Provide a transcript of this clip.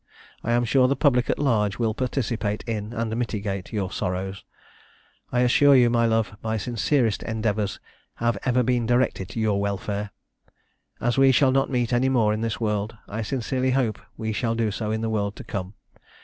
I am sure the public at large will participate in, and mitigate, your sorrows; I assure you, my love, my sincerest endeavours have ever been directed to your welfare. As we shall not meet any more in this world, I sincerely hope we shall do so in the world to come.